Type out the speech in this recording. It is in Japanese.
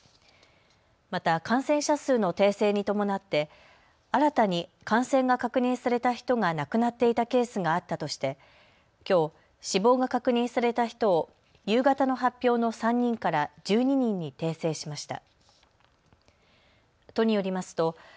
また感染者数の訂正に伴って新たに感染が確認された人が亡くなっていたケースがあったとしてきょう、死亡が確認された人を夕方の発表の３人から１２人に訂正しました。